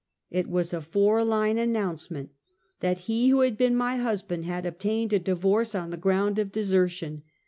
It was a four line announcement that he who had been my husband had obtained a divorce on the ground of de sertion.